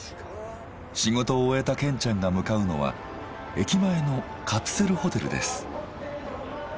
仕事を終えたケンちゃんが向かうのは駅前のカプセルホテルです。